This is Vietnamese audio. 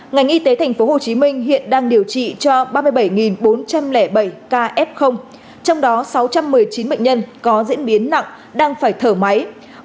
ngành y tế tp hcm hiện đang điều trị cho ba mươi bảy bốn trăm linh bảy ca f trong đó sáu trăm một mươi chín bệnh nhân có diễn biến nặng đang phải thở máy